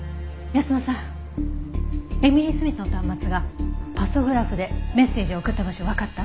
泰乃さんエミリー・スミスの端末がパソグラフでメッセージを送った場所わかった？